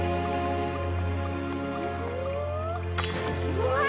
うわ！